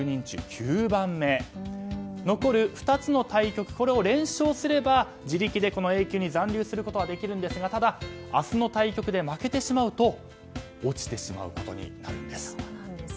残る２つの対局を連勝すれば自力でＡ級に残留することができるんですがただ明日の対局で負けてしまうと落ちてしまうことになるんです。